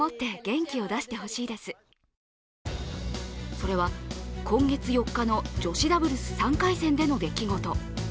それは、今月４日の女子ダブルス３回戦での出来事。